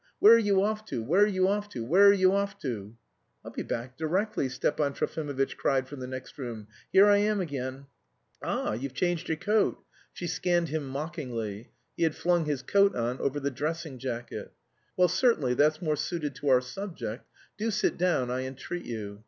Where are you off to? Where are you off to? Where are you off to?" "I'll be back directly," Stepan Trofimovitch cried from the next room. "Here I am again." "Ah, you've changed your coat." She scanned him mockingly. (He had flung his coat on over the dressing jacket.) "Well, certainly that's more suited to our subject. Do sit down, I entreat you."